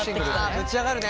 あぶち上がるね！